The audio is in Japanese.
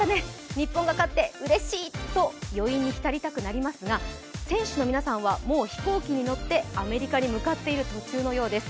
日本が勝ってうれしい！と余韻にひたりたくなりますが、選手の皆さんはもう飛行機に乗ってアメリカに向かっている途中のようです。